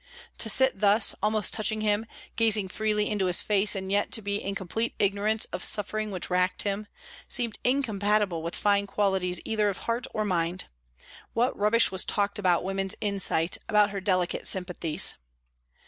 To sit thus, almost touching him, gazing freely into his face, and yet to be in complete ignorance of suffering which racked him, seemed incompatible with fine qualities either of heart or mind. What rubbish was talked about woman's insight, about her delicate sympathies!